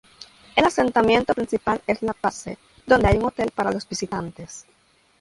El asentamiento principal es La Passe, donde hay un hotel para los visitantes.